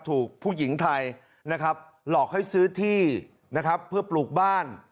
ถูกผู้หญิงไทยนะครับหลอกให้ซื้อที่นะครับเพื่อปลูกบ้าน